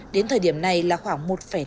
đến thời điểm này là khoảng một năm